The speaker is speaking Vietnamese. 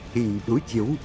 khi đối chiếu